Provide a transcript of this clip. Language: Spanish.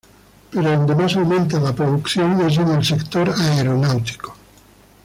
Pero donde más aumenta la producción es en el sector aeronáutico.